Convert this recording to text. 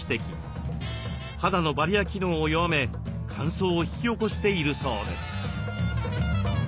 肌のバリア機能を弱め乾燥を引き起こしているそうです。